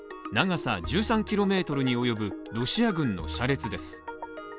長さ１３ｋｍにおよぶ、ロシア軍の車列です。